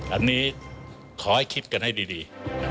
อันนี้ขอให้คิดกันให้ดี